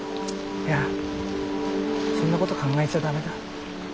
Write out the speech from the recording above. いやそんなこと考えちゃダメだ。